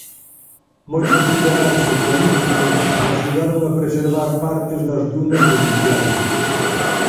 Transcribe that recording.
Moitos cidadáns e políticos axudaron a preservar partes das Dunas de Indiana.